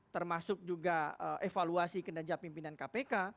termasuk juga evaluasi kinerja pimpinan kpk